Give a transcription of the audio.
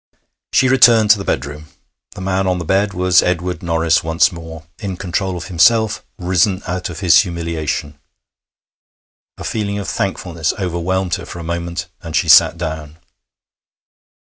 She returned to the bedroom. The man on the bed was Edward Norris once more, in control of himself, risen out of his humiliation. A feeling of thankfulness overwhelmed her for a moment, and she sat down.